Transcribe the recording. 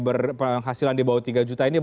berpenghasilan di bawah tiga juta ini